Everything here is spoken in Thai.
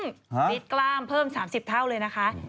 มิตรกล้ามเพิ่ม๓๐เท่าเลยนะคะ